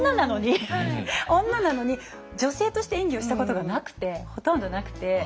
女なのに女性として演技をしたことがほとんどなくて。